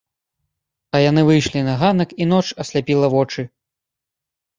А яны выйшлі на ганак, і ноч асляпіла вочы.